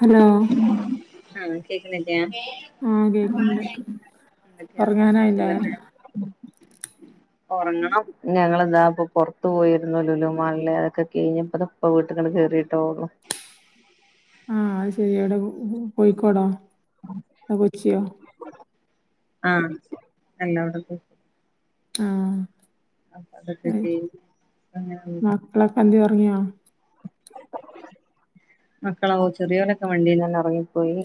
Hello ആഹ കേക്കുന്നില്ല്യാ ആ അ കേക്ക്ണ്ട് ആന ഉറങ്ങാനായില്ലേ സുഖ ഉറങ്ങണം ഞങ്ങളിതപ്പൊറ അ പോയിുന്നല്ലോ ലോലു മാളില അതൊക്കെ കഴിഞ്ഞപ്പ ഇപ്പ വീട്ടങ്ങ ക കേറിയിട്ടള്ളു ആഹ അത് ശരി എവിടെ പോയിക്കോടോ കൊച്ചിയോ ആഹ എല്ലടെക്ക ആഹ അ അതൊക്കെക്ക അ എല വന് വ പറങ്ങിയോ മക്കളാവ ചെറിയോരൊക്കെ വണ്ടീന്ന്ന്നല്ലെ ഇറങ്ങിപ്പോയി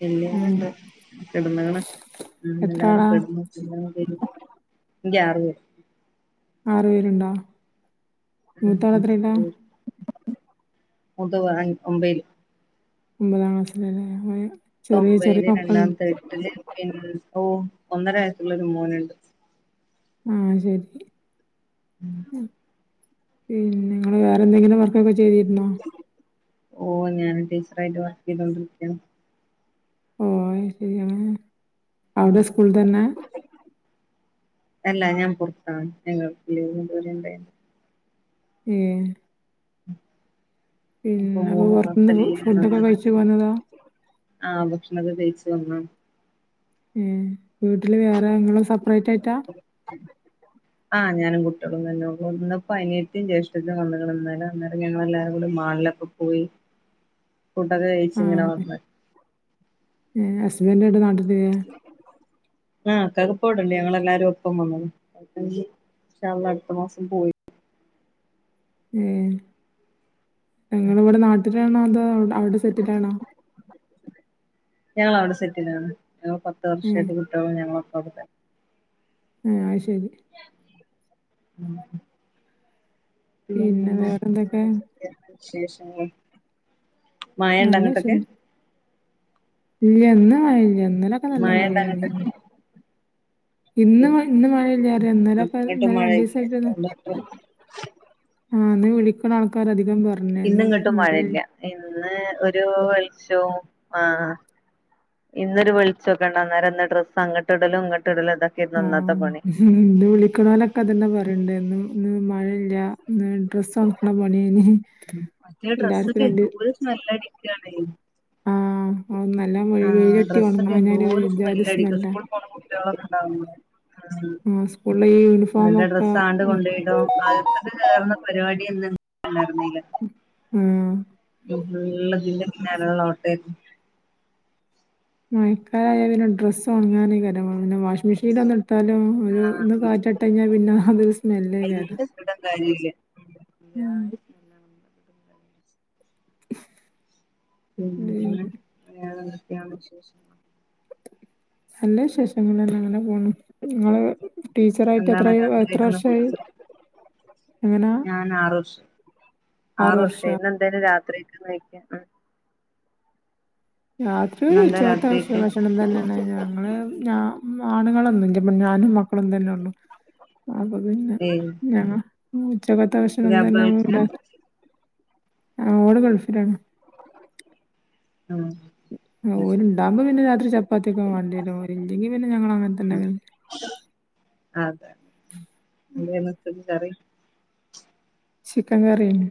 പിന്ന ഏ ഇണ്ട് കെടുന്ന എത്ര എല്ലാരും ആളാ കെടുന്നു എ ഗ്യാർ വ ആറ് പേരുണ്ടോ ഉ മൂത്താള് എത്രയിലാ ഉ മുതതാ ഒമ്പല് ഒമ്പതാം ക്ലാസ്സിലല്ലേ ചെറിയ ചെറിയ മക്കളണ്ട് ഓ ഒന്നര വയസ്സുള്ള ഒരു മോനുണ്ട് ആഹ ശരി പിന്നെ നിങ്ങ വേറെ എന്തെങ്കിലും വർക്കൊക്കെ ചെയ്തിരുന്നോ ഓ ഞൻ ടീച്ചറായിട്ട് വർക്ക് ചെയ്തോണ്ടിരിക്കാം ഓൻ എവിടെയാണ് അവിടെ സ്കൂൾ തന്നെ. അല്ല ഞാൻ പൊറത്താണ് [unintelligible] ഏഹ് ഇപ്പൊ പിന്നെ മൂന്ന് മാസത്തെ അപ്പൊപൊറത്തുന്ന് ഫുഡൊക്കെ കഴിച്ചു പോന്നതാ? ആഹ. ഉം വീട്ടില് വേറെയാ ഇങ്ങള് സെപ്പറേറ്റ് ആയിട്ടാ. ആഹ് ഞാനും കുട്ട്യാളും തന്നെള്ളു. ഇന്ന്പ്പം അനിയത്തിം ജേഷ്ഠത്തിം വന്ന്ക്ക്ണ്. ഇന്നല ഇന്നേരം ഞങ്ങളെല്ലാരുംകൂടി മാളില്. അ പോയി. ഫുടൊക്കെ കഴിച്ച് ഇങ്ങനെ വന്ന്. നിങ്ങ ഹസ്ബൻഡ് എവിടാ നിട്ടില് ആഹ് കാക്കുപ്പോവടണ്ട് ഞങ്ങളെല്ലാരും ഒപ്പം വന്നതാ. ഇൻസാ അള്ളാഹ് അടുത്ത മാസം പോയി. ഏഹ് നിങ്ങള് ഇവിടെ നാട്ടിലാണോ അതോ അവിടെ സെറ്റിലാണോ? ഞങ്ങളവിടെ സെറ്റിലാണ് ഞങ്ങൾ പത്ത് ഏഹ് വർഷായിട്ട് കുട്ട്യാളും ഞങ്ങളൊക്കെ അവിടെ. ആഹ് അത്ശരി. ഉംഹ് പിന്നെ വേറെ ന്തൊക്കെ? എന്താ വിശേഷങ്ങൾ മയയുണ്ടോ നല്ല അങ്ങോട്ടൊക്കെ. വിശേഷം. ഇല്ല ഇന്ന് മഴയില്ല്യ ഇന്നലെയൊക്കെ നല്ല മഴണ്ടോ മഴയേനി. അങ്ങട്ടൊക്കെ ഇന്ന് മഴ ഏഹ് ഇന്ന് ശരി മഴയില്ലാതെ ഇന്നലെയൊക്കെ ഇന്നലെ രണ്ടീസായിട്ടൊന്ന്. ഉംഹ്. ആഹ് ഇന്ന് വിളിക്കണ ആൾക്കാര് അധികം പറഞ്ഞ് ഇന്ന് ഇന്നിങ്ങട്ടും മഴ. മഴയില്ല ഇന്ന് ഒരു വെളിച്ചോം ആഹ്. ഇന്നൊരു വെളിച്ചൊക്കെയുണ്ട്. അന്നേരം ഇന്ന് ഡ്രസ്സ് അങ്ങട്ട്ടലും, ഇങ്ങട്ട്ടലും ഇതൊക്കെയാരുന്നു ഇന്ന് ഇന്നത്തെ പണി. ഉംഹ്, ഇന്ന്‌ വിളിക്കണോലൊക്കെ അതന്നെ പറയണ്ട് ഇന്ന് മഴയില്ല്യ. ഏഹ് ഡ്രസ് ഒണക്കണ പണിയേനി. എല്ലാർക്കും രണ്ട് നല്ല. [unintelligible] ആഹ് ഓ നല്ല മഴ ആഹ് വെയിലട്ടി ഡ്രസ്സൊക്കെ ഒണങ്ങാഞ്ഞാൽ എന്തോര് ഒര്ജാതി സ്മെല്ലടിക്കാ സ്മെല്ലാ. [unintelligible] ആഹ് സ്കൂളിലെ ഈ യൂണിഫോം നല്ല ഒക്കെ ഡ്രസ്സാണ്ട് ഉം കൊണ്ടോയ്ടും അത് ഇത് കേറുന്ന പരിപാടിയൊന്നും [unintelligible] ന്നില്ല. ഉംഹ്. ഫുള്ള് ഇതിന്റെ പിന്നാലെയുള്ള ഓട്ടായിരുന്ന് മയക്കാലായാൽ പിന്നെ ഡ്രസ്സൊണ്ങ്ങാനേക്കാരം പിന്നെ വാഷിംഗ് മെഷീനിലൊന്ന് ഇട്ടാലും. ഒരു ആഹ് ഒന്ന് കാറ്റട്ടഞ്ഞാൽ പിന്നെ അതൊരു സ്മെല്ലേക്കാരം. അതോണ്ടാ കാര്യല്ല്യ. ഉംഹ്. ഉം പിന്നെ വേറെന്തൊക്കെയാണ് വിശേഷം? നല്ല വിശേഷങ്ങളന്നെ ഇങ്ങനെ പോണ്. നിങ്ങള് ടീച്ചറായിട്ട് എന്താണ് എത്രായ് എത്ര രാത്രിയൊക്കെന്ന് വർഷായി ഫുഡ് എങ്ങനാ? ഞാൻ ആറ് വർഷായ് ആറ് ആറു വർഷായ്. വർഷാ ഇന്ന് എന്തേന്നു രാത്രിക്ക് കഴിക്കാൻ. രാത്രി ഒരു ഇന്നെന്താ ഉച്ചക്കത്തെ ഭ രാത്രിക്ക് ഭക്ഷണം തന്നെ. എ ഞങ്ങള് ഞാ ആണുങ്ങളൊന്നുംല്ല. ഞാനും മക്കളും തന്നെ ഉള്ളു. അപ്പൊ പിന്നെ ഏയ് ഞങ്ങ ഉച്ചക്കത്ത ഭക്ഷണം പുലാവ് തന്നെ വെച്ചാ വ്ട. ആഹ് ആഹ് ഓള് ഗൾഫിലാണ്. ആഹ്. ഓനുണ്ടാകുംമ്പം പിന്നെ രാത്രി ചപ്പാത്തിയൊക്കെ വേണ്ടിവരും. ഓരില്ലെങ്കിൽ പിന്നെ ഞങ്ങൾ അങ്ങനെതന്നെ. അതെ പിന്നെ ഇന്നെത്തേനിക്കറി. ചിക്കൻ കറിയുണ്ട്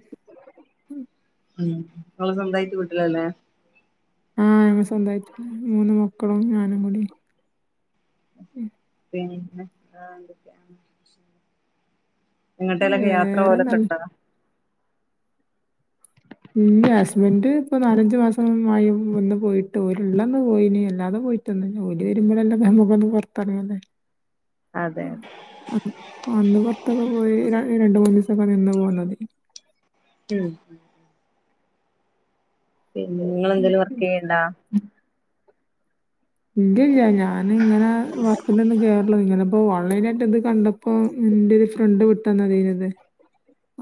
ഉം ഇങ്ങള് സന്തായിട്ട് വീട്ടിലന്നേ ആഹ് ഞങ്ങൾ സ്വന്തായിട്ട്ള്ള മൂന്ന് മക്കളും ഞാനും കൂടി പിന്നെ ആഹ് വേറെ എന്തൊക്കെയാണ് ഏങ്ങട്ടേലൊക്കെ യാത്ര വേറെന്നല്ല പോകലൊക്കെയൊണ്ടോ ഇല്ല്യ ഹസ്ബൻഡ് ഇപ്പൊ നാലഞ്ച് മാസം മുമ്പായി വന്ന് പോയിട്ട് ഓല്ള്ളന്ന് പോയിന് അല്ലാതെ പോയി ട്ട് ഓല് വരുമ്പളല്ലെപ്പൊ നമ്മക്കൊന്ന് പൊർത്തെങ്ങാന് അതെ അത് ആ അന്ന് പൊർത്തൊക്കെ പോയി ര രണ്ട് മൂന്നീസൊക്കെ നിന്നാ പോന്നത് ഉം പിന്നെ ഇങ്ങളെന്തേലും വർക്കെയ്യ്ണ്ടാ? ഇല്ല്യല്ല ഞൻ ഇങ്ങനെ വർക്ക്നൊന്നും കേറലില്ല ഇങ്ങനെപ്പോ ഓൺലൈനായിട്ട് ഇത് കണ്ട പ്പോ ഇന്റൊരു ഫ്രണ്ട് വിട്ടന്നതേയ്നിത്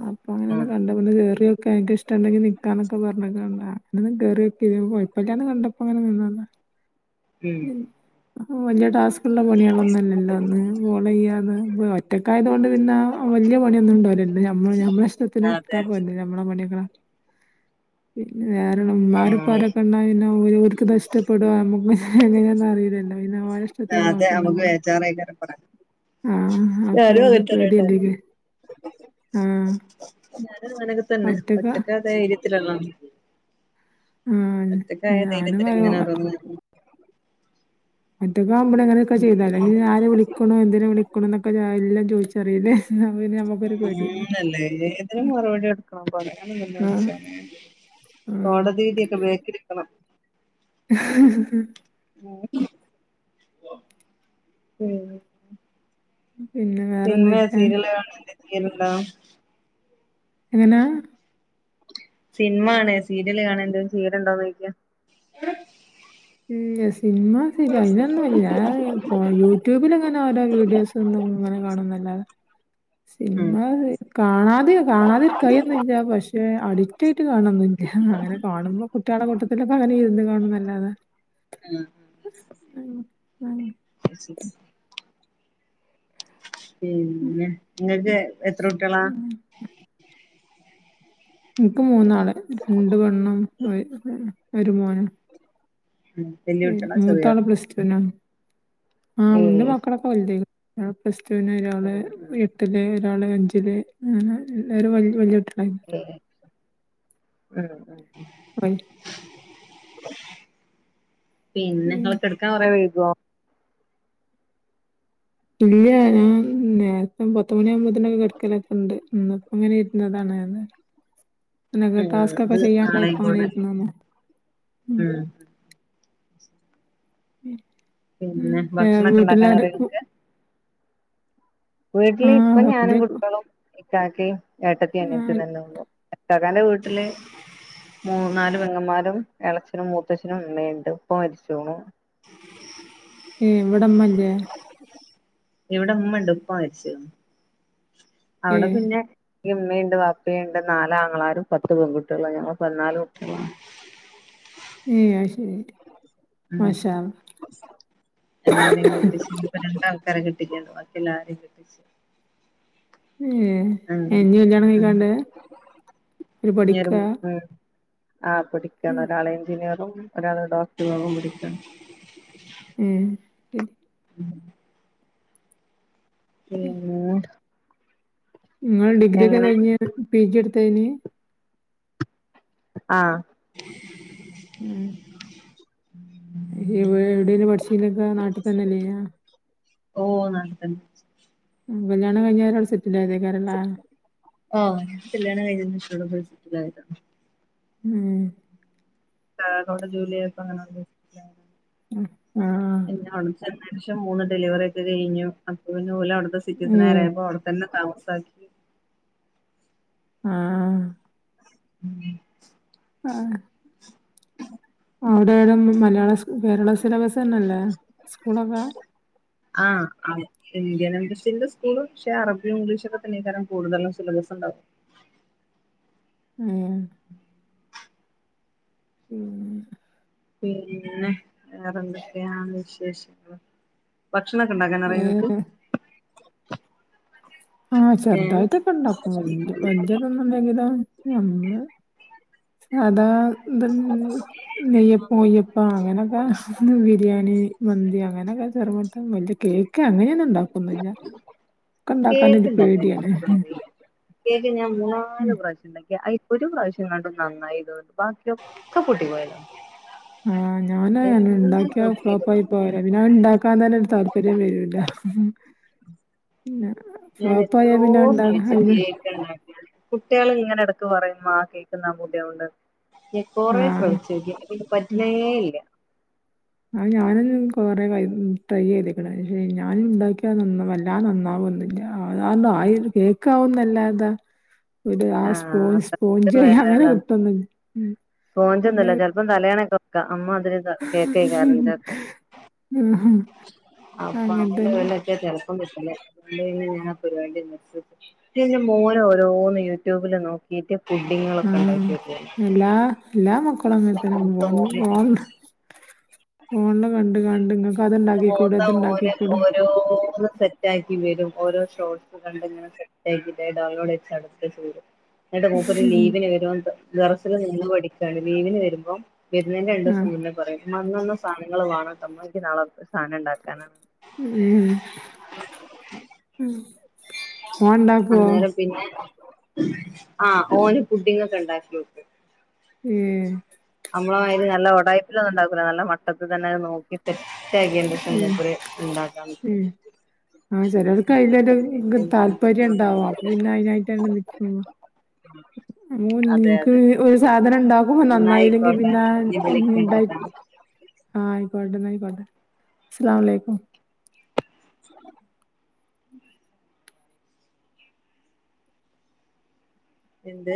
അപ്പൊ ഉം അങ്ങനൊന്ന് കണ്ടപ്പൊന്ന് കേറിയോക്കെ അൻക്കിഷ്ടണ്ടെങ്കി നിക്കാന്നൊക്കെ പർഞ്ഞ്ക്കാണ്ട് ആ അങ്ങനൊന്ന് കേറ്യോക്കി പിന്നെപ്പൊ കൊയപ്പല്ലാന്ന് കണ്ടപ്പോ അങ്ങനെ നിന്നതാ ഉം ആഹ് വല്ല്യ ടാസ് കള്ള പണിയാളൊന്നല്ലല്ലോ ഒന്ന് കോളെയ്യാ ഒന്ന് ഒറ്റക്കായതോണ്ട് പിന്നെ ആ വല്ല്യ പണിയൊന്നുണ്ടാവൂലല്ലൊ പിന്നെ നമ്മള് നമ്മളെഷ്ടത്തിനിട്ത്താ അതെ പോരേല്ലെ ഞമ്മളെ പണികളെ പിന്നെ വേറള്ള ആഹ് മ്മാര്പ്പാരൊക്കെണ്ടായാ പിന്നെ ഓര്ക്ക്ത്ഷ്ടപ്പെടോ നമ്മക്ക് എങ്ങനെയാന്നറീല്ലല്ലോ പിന്നോലെഷ്ടത്തിന് അതെ നോകണ്ടെ നമുക്ക് മ്മള് ബേജാറേക്കാരം പണി ആഹ് ഞാനും അപ്പൊരു പേടിയല്ലേ ആഹ് ഞാനു അങ്ങനൊക്കെതന്നെ ഒറ്റക്ക ഒറ്റക്കാ ധൈര്യത്തിലാള്ള് ആഹ് ഒറ്റക്കായ ഞാനും ധൈര്യത്തിലിങ്ങനെ പറയും ഓരോന്ന് ഒറ്റക്കാവുമ്പളങ്ങനൊക്കെ ചെയ്താല് അല്ലെങ്കി പിന്നെ ആര് വിളിക്ക്ണ് എന്തിന് വിളിക്ക്ണ്ന്നൊക്കെ എല്ലം ചോയ്ച്ചറീല്ലേ ന്നാ പിന്നെ നമ്മക്ക് ആന്നല്ലേ ഏതിനും മറുപടി കൊട്ക്കണം പറയാന്ന്ണ്ടെങ്കി ആഹ് പടച്ചോനെ ആഹ് കോടതീൻ്റൊക്കെ ബേക്കില്ക്കണം ഹ്ഹ്ഹ് [unintelligible] [inaudible] ഉം പിന്നെ സിനമ വേറെന്തൊക്കെയാ സീരിയല് അങ്ങനെന്തേ ചെയ്യല്ണ്ടോ എങ്ങനാ സിനിമാണേ സീരിയല് കാണേന്തെങ്കിലും ചെയ്യല്ണ്ടോന്നൊയ്ക്കാ ഇല്ല്യ സിനിമ സീരിയ അങ്ങനൊന്നുംല്ല ഞാ പ്പോ യൂട്യൂബില് ഇങ്ങനോരോ വീഡിയോസെന്നുംങ്ങനെ കാണുംന്നല്ലാതെ ഉം സിൻമാ വി കാണാതെയോ കാണാതിര്ക്കായി ഒന്നുല്ല പക്ഷെ അഡിക്റ്റായിട്ട് കാണൊന്നില്ല അങ്ങനെ കാണുമ്പോ കുട്ട്യാളെ കൂട്ടത്തിലൊക്കങ്ങനിര്ന്ന് കാണുംന്നല്ലാതെ ആ ഉം അഹ് യെസ് യെസ് പിന്നെ ഇങ്ങക്ക് എത്ര കുട്ട്യാളാ? ഉം. ഇൻക്ക് മൂന്നാള് രണ്ട് പെണ്ണം ഒ ഒര് മോനും ഉം ഉം മൂത്താള് പ്ലസ്ടൂനാണ് ആഹ് ഇന്റെ ഏഹ് മക്കളൊക്കെ വൽതായി ആഹ് പ്ലസ്ടൂന് ഒരാള് ആഹ് എ ട്ടില് ഒരാള് അഞ്ചില് അങ്ങനെ എല്ലാരും വല്ല്യ വല്ല്യ കുട്ടികളായിന് ഉം ഉ [unintelligible] പിന്നെങ്ങൾ കെടക്കാൻ കൊറേ വൈകോ? ഇല്ല ഞാൻ നേരത്തെ പത്തുമണിയാകുമ്പോത്തിനൊക്കെ കെടക്കലൊക്കെണ്ട് മ്. ഇങ്ങനെ ഇരുന്നതാണ്. ഉം ടാസ്ക് ഒക്കെ ഇത് ചെയ്യാണ്ടായ പ്പ നാളെയും അങ്ങനെ കൂടെ ഇരുന്നു ഉം മ് പിന്നെ ഏഹ് ഭക്ഷണൊക്കെ ഇണ്ടാക്കാൻ വീട്ടിലാര അറിയോ വ് ഇങ്ങക്ക് വീട്ടില് ആ ഇപ്പ ഞാനും വല്യ കുട്ടിയളും. ഇ കാക്കി ഏട്ടത്തി ആ അനിയത്തി തന്നെള്ളു ഇകാ കാന്റെ വീട്ടില്. മൂന്നാല് പെങ്ങന്മാരും ഇളച്ചനും മൂത്തച്ഛനും ഇമ്മേണ്ട് ഇപ്പ മരിച്ച് ണു ഏഹ്ഇവിടമ്മല്ലേ ഇവിടെ ഇമ്മണ്ട് ഉപ്പ മരിച്ച് ണ് ഏ അവിടെ പിന്നെ ഇമ്മിയുണ്ട് വാപ്പയുണ്ട് നാലാ ആങ്ങളാരും പത്ത് പെൺകുട്ടികള ഞങ്ങള് പതിനാല് കുട്ടിയളാണ്. ഏഹ് അയ് ശരി ടി [unintelligible] ഇപ്പൊ അല്ലാഹ് രണ്ടാ ആൾക്കാരെ കെട്ടി കാണ്ട് ബാക്കിയെല്ലാരിം കെട്ടിച്ചു. ഏഹ് ഇഞ്ഞ് അങ്ങനെ കല്യാണം ഉം കഴിക്കാണ്ട് ഓര് പഠിക്ക ആഹ് പടിക്കാണ് ഒരാള് എഞ്ചിനീറും ഒരാള് ഡോക്ട് റ്റും അവാൻപഠിക്കാണ്. ഉം ഉം [unintelligible] ഇങ്ങൾ ഡിഗ്രിയൊക്കെ എങ്ങനെ കഴിഞ്ഞ് പി ജി എടുത്ത് ഏനി. ആഹ് ഉം മ് ഇജ് ഇവടെഎവിടെ നു പഠിച്ചിനൊക്കെ നാട്ടിൽ തന്നെല്ലെ നോ ഓ നാട്ടി തന്നെ. കല്യാ ണം കഴിഞ്ഞ് അവരവിടെ സെറ്റിൽ ആയതേക്കാരംലേ ആഹ് കല്യാണം കഴിഞ്ഞേന് ശേഷം അവിടെ പോയി സെറ്റിൽ ആയതാ. മ് കാക്ക അവിടെ ജോലി ആയപ്പോ അങ്ങനാ ണ്ട് ആഹ് പിന്നെ അവിട ചെന്ന ശേഷം മൂന്ന് ഡെിവറി ഒക്കെ കഴിഞ്ഞു അപ്പ പിന്ന ഓല് അവിടുത്തെ സിറ്റിസൺ നേര ഏഹ് ആയപ്പം അവിടെ തന്നെ താമസാക്കി ആഹ് മ് ആഹ് അവിടെഏതാ മലയാള സ് കേരള സിലബസ് ന്നെല്ലേ സ്കൂളൊക്കെ ആഹ്ആ ഇന്ത്യൻ ഇംഗീഷിന്റെ സ്കൂള് പക്ഷേ അറബി ഇംഗ്ലീഷൊക്കെന്നെ കാരം കൂടുതലും സിലബസ് ഇണ്ടാവ. ഉം ഉം പിന്നെ വേറെന്തൊക്കെയാ വിശേഷങ്ങള് ഭക്ഷണ ക്കെ ഇണ്ടാക്കാൻ അറിയെ ങ്ങക്ക് ഏഹ് ആഹ് ഏഹ് ചെറുതായിട്ടൊക്കെ ഇണ്ടാക്കും വല്യ വല്യ തൊന്നുല്ലെങ്കിലും ഞമ്മള് സാധാ ത് നെയ്യപ്പ ഉയ്യപ്പ അങ്ങനൊക്കെ ന്ന് ബിരിയാണി മന്തി അങ്ങനെയൊക്കെ ചെറു മട്ടം വലിയ കേ ക്ക് അങ്ങനെ ന്നും ണ്ടാക്കൂല്ല ഞാൻ ക്കെ കേക്ക് ണ്ടാക്കാനൊരു ഇണ്ടാക്കാൻ പേടിയാണ്. എനിക്കറിയില്ല കേക്ക് ഞാൻ മൂന്നാല് പ്രാവശ്യം ഇണ്ടാക്കി അയ് ഒരു പ്രാവശ്യം എങ്ങാണ്ട് നന്നായി തോന്ന് ബാക്കി ഒ ക്കെ പൊട്ടി പോയതാ ആഹ് ഞാനും അ എന്നെ ഇണ്ടാക്കിയ ഫ്ലോപ്പ് നോക്കിയിട്ടും ആയി പോ ലാ പിന്നെ പിൻ ഇണ്ടാക്കാൻ തന്നെ ഒരു താല്പര്യം വരൂല്ല ഫ്ലോപ്പ് ആയാ പിന്നെ അഹ് ണ്ടാ കാന് കുട്ടിയേൾ ഇങ്ങനെ ഇടക്ക് പറയും ഇമ്മാ കേക്ക് ന്നാൻ പൂതിയാവ്ണ്ട് ഞാൻ കൊറെ ആഹ് ശ്രമിച്ചോക്കി ഇന്ന കൊണ്ട് പറ്റ്ണേ ഇല്ല ആഹ് ഞാനന്നെ കൊറെ ട്രൈ ചെയ്ത് ക്ണ് ക്ഷെ ഞാനും ഉണ്ടാക്കിയാ വല്ലാതെ നന്നാവൊന്നുല്ല ആ ആയി കേക്കാവുന്നല്ല ഇതാ ഒരു ആ ആഹ് സ്പൂഞ് സ്പൂഞ്ച അങ്ങനെ വിലള്ള കിട്ടുന്നു അങ്ങനെ അപ്പം തലയാണക്കെ നോക്കാം അമ്മ അതിന് കേൾക്ക [unintelligible] ആഹാ അപ്പൊഅവളെയും ഇവനെയൊക്കെ തിരക്കാൻ പറ്റില്ലേ മോനോരോന്ന് യൂട്യൂബില് നോക്കി യേട്ട പുഡിങ്ങൊക്കെ ആഹ് ഉണ്ടാക്കി എല്ലാ എല്ലാ മക്കളും അങ്ങനെ മൂത്ത മോന് ഫോണിൽ കണ്ട് കണ്ട് നിങ്ങക്ക് അത്ണ്ടാക്കിക്കൂട് പോത്ത ഓര് അത്ണ്ടാക്കിക്കൂട് ഓരോന്ന് സെറ്റ്ക്കി വരും ഓരോ ഷോട്സ് കണ്ട ഡൌൺലോഡ് ചെയ്തിടും എന്നിട്ട് മൂപ്പര് ലീവിന് വരുമ്പ ദറസിൽ നിന്ന് പഠിക്കയാണ് ലീവിന് വരുമ്പോം വരുന്നെന്റെ രണ്ട ആഹ് ദിവസംമുന്നെ പറയും മന്ന സാധനങ്ങൾ വേണോ തമ്മക്ക് നാളെ സാധനം ഉണ്ടാക്കാനാണ് ഉം ഉ അന്നേരം പിന്നെ ആ ഓന് പുഡിങ്ങ ഒക്കെ ഉണ്ടാക്കിയ മ്മ്ഹ് നമ്മളല് നല്ല ഒടാപ്പിലൊന്ന ഉണ്ടാക്കൂല്ല നല്ല മട്ടത്ത തന്നെ അത് നോക്കി സെറ്റാക്കിയണ്ട് ഏഹ് [unintelligible] ഉണ്ടാക്കാൻ ആഹ ചിലർക്ക് അതിലൊരു താല്പര്യം ഉണ്ടാവും അപ്പൊ പിന്നെ അതിനായിട്ടാണ് നിക്കും ഉം ഓ നിക്ക് ഒരു സാധനം ഉണ്ടാക്കുമ്പോ നന്നായില്ലെങ്കിൽ എന്നായിക്കോട്ടെ ഇനി വിളിക്കണ്ട് പിന്നെണ്ടാക്കി ട്ടാ ആഹ ആയിക്കോട്ടെന്ന് ആയിക്കോട്ടെ അസ്സലാമു അലൈകും [inaudible] എന്ത്